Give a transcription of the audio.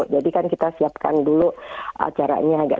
jadi kan kita siapkan dulu acaranya